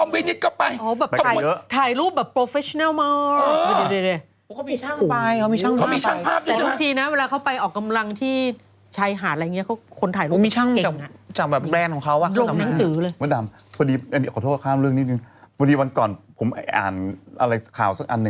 เบลล่าฮานีก็อยู่เมืองไทยก็อยู่